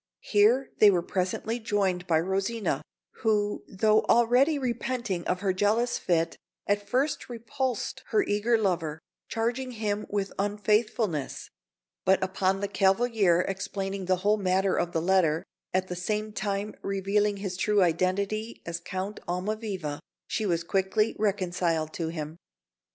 Here they were presently joined by Rosina, who, though already repenting of her jealous fit, at first repulsed her eager lover, charging him with unfaithfulness; but upon the cavalier explaining the whole matter of the letter, at the same time revealing his true identity as the Count Almaviva, she was quickly reconciled to him.